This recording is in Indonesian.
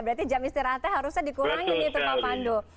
berarti jam istirahatnya harusnya dikurangi gitu pak pandu